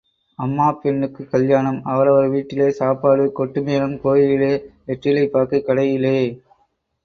அம்மாப் பெண்ணுக்குக் கல்யாணம் அவரவர் வீட்டிலே சாப்பாடு கொட்டு மேளம் கோயிலிலே, வெற்றிலை பாக்குக் கடையிலே.